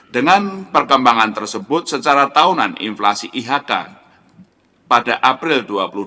dengan perkembangan tersebut secara tahunan inflasi ihk pada april dua ribu dua puluh